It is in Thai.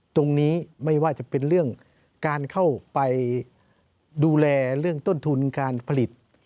ตรงนี้ไม่ว่าจะเป็นเรื่องการเข้าไปดูแลเรื่องต้นทุนการผลิต